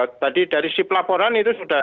tadi dari si pelaporan itu sudah